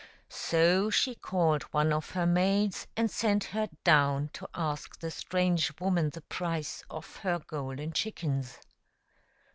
So she called one of her maids, and sent her down to ask the strange woman the price of her golden chickens.